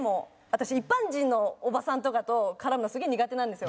私一般人のおばさんとかと絡むのすげえ苦手なんですよ。